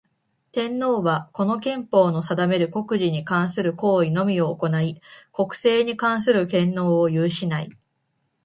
天皇は、この憲法の定める国事に関する行為のみを行ひ、国政に関する権能を有しない。